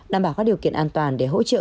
đảm bảo các điều kiện an toàn để hỗ trợ